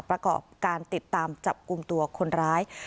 ประกอบการติดตามจับกลุ่มตัวคนร้าย